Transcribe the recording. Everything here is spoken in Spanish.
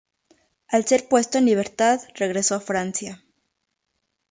Al ser puesto en libertad regresó a Francia.